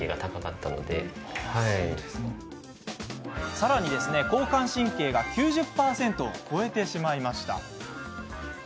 さらに、交感神経が９０％を超えてしまいました。